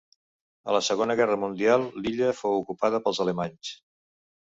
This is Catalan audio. A la segona guerra mundial l'illa fou ocupada pels alemanys.